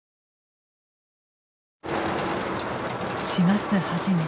４月初め。